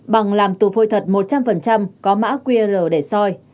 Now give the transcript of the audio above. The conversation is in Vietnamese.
bằng làm tù phôi thật một trăm linh có mã qr để soi